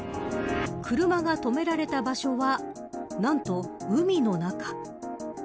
車が止められた場所はなんと海の中。